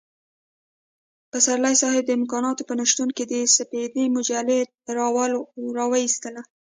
پسرلی صاحب د امکاناتو په نشتون کې د سپېدې مجله را وايستله.